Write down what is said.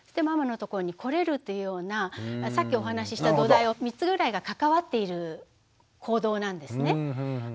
ママのところに来れるというようなさっきお話しした土台を３つぐらいが関わっている行動なんですね。